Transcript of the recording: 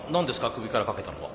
首から掛けたのは。